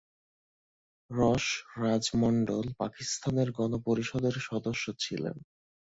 রস রাজ মন্ডল পাকিস্তানের গণপরিষদের সদস্য ছিলেন।